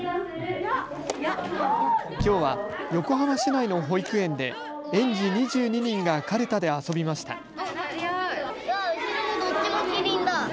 きょうは横浜市内の保育園で園児２２人がかるたで遊びました。